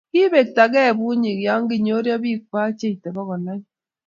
kibeektagei bunyik ya kinyoryo biikwak cheitei bokol oeng'.